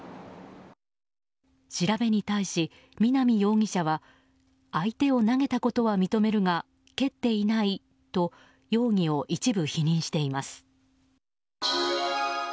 調べに対し、南容疑者は相手を投げたことは認めるが蹴っていないと容疑を一部否認しています。